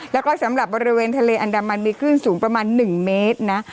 แล้วก็สำหรับบริเวณทะเลอันดามันมีคลื่นสูงประมาณ๑เมตรนะ